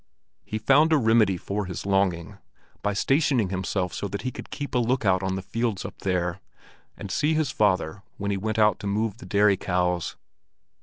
He found a remedy for his longing by stationing himself so that he could keep a lookout on the fields up there, and see his father when he went out to move the dairy cows.